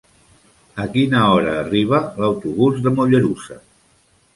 A quina hora arriba l'autobús de Mollerussa?